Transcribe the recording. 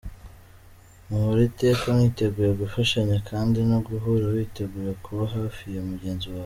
Muhore iteka mwiteguye gufashanya kandi no guhora witeguye kuba hafi ya mugenzi wawe.